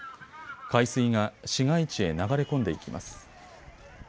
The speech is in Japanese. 海水が市街地へ流れ込んでいきます。